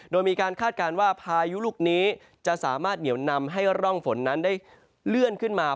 โดยมีการคาดการณ์ว่าพายุลูกนี้จะสามารถเหนียวนำให้ร่องฝนนั้นได้เลื่อนขึ้นมา